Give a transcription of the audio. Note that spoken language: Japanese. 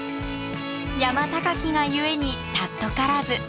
山高きが故に貴からず。